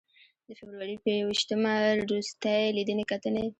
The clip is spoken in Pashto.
د فبروري په ی ویشتمه روستۍ لیدنې کتنې.